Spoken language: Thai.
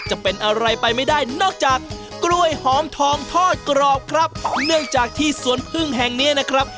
จะเป็นอะไรไปไม่ได้นอกจากกล้วยหอมทองทอดกรอบครับเนื่องจากที่สวนพึ่งแห่งเนี้ยนะครับ